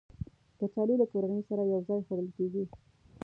کچالو له کورنۍ سره یو ځای خوړل کېږي